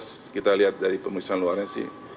saya lihat dari pemeriksaan luarnya sih